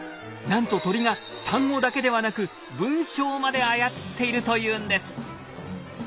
なんと鳥が単語だけではなく文章まで操っているというんです。